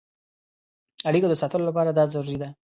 اړیکو د ساتلو لپاره دا ضروري ده.